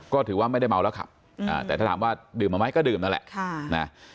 ก็ถือว่าไม่ได้เมาแล้วขับแต่ถ้าถามว่าดื่มมาไหมก็ดื่มนั่นแหละ